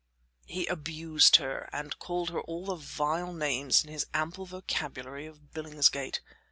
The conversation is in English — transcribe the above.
He abused her and called her all the vile names in his ample vocabulary of billingsgate.